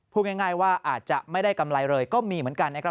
พูดง่ายว่าอาจจะไม่ได้กำไรเลยก็มีเหมือนกันนะครับ